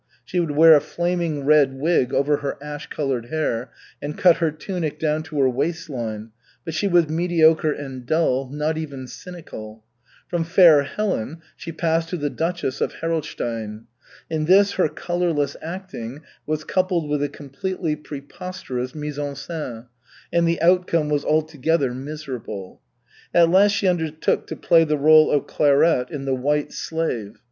She would wear a flaming red wig over her ash colored hair, and cut her tunic down to her waist line, but she was mediocre and dull, not even cynical. From Fair Helen she passed to the Duchess of Herolstein. In this her colorless acting was coupled with a completely preposterous mise en scène, and the outcome was altogether miserable. At last she undertook to play the role of Clairette in _The White Slave.